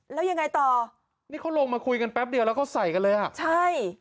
แล้วยังไงต่อนี่เขาลงมาคุยกันแป๊บเดียวแล้วเขาใส่กันเลยอ่ะใช่